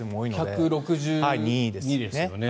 １６２ですよね。